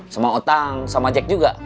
sama utang sama jack juga